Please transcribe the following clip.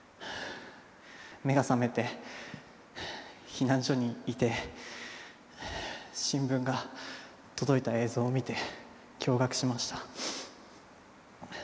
目が覚めて避難所にいて新聞が届いた映像を見て驚愕しました。